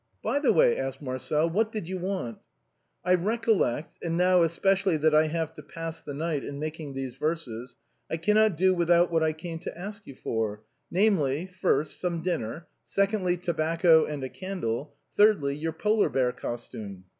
" By the way," asked Marcel, " what did you want ?"" I recollect — and now especially that I have to pass the night in making these verses, I cannot do without what I came to ask you for, namely, first, some dinner; secondly, tobacco and a candle; thirdly, your polar bear costume."